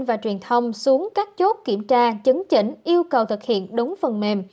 và truyền thông xuống các chốt kiểm tra chứng chỉnh yêu cầu thực hiện đúng phần mềm